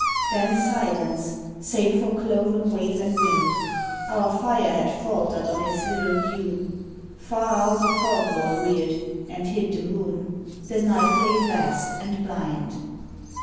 Then silence, save for cloven wave and wind. Our fire had faltered on its little dune. Far out a fog wall reared, and hid the moon. The night lay vast and blind.